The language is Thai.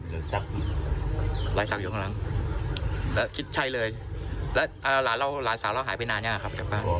หลายศักดิ์อยู่ข้างหลังแล้วคิดใช่เลยแล้วหลานสาวเราหายไปนานเนี่ยครับ